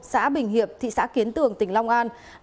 xã bình hiệp thị xã kiến tường tỉnh long an